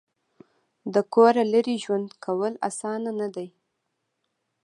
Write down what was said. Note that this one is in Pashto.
د کوره لرې ژوند کول اسانه نه دي.